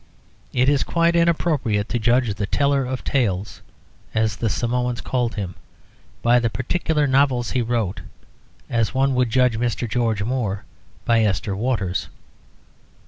It is quite inappropriate to judge "The Teller of Tales" (as the Samoans called him) by the particular novels he wrote, as one would judge Mr. George Moore by "Esther Waters."